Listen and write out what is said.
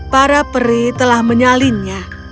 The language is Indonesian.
para peri telah menyalinnya